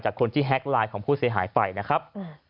คนที่แฮ็กไลน์ของผู้เสียหายไปนะครับ